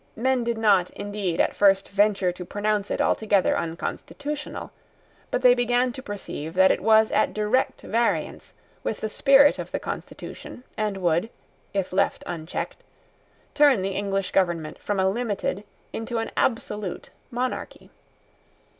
Men did not, indeed, at first, venture to pronounce it altogether unconstitutional. But they began to perceive that it was at direct variance with the spirit of the constitution, and would, if left unchecked, turn the English government from a limited into an absolute monarchy.